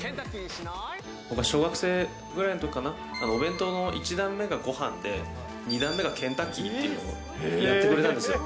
僕が小学生ぐらいのときかな、お弁当の１段目がごはんで、２段目がケンタッキーっていうのをやってくれたんですよ。